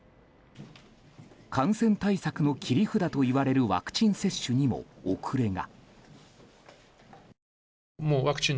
感染対策の切り札といわれるワクチン接種にも遅れが。